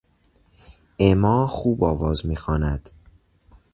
اما خوب آواز میخواند.